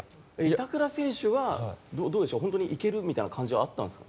板倉選手はどうでしょう本当に行ける感じはあったんですか。